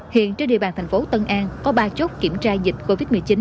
hiện trên địa bàn tp tân an có ba chốt kiểm tra dịch covid một mươi chín